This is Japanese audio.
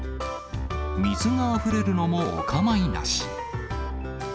水があふれるのもお構いなし。